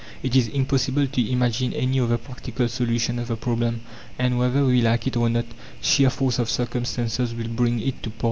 It is impossible to imagine any other practical solution of the problem; and, whether we like it or not, sheer force of circumstances will bring it to pass.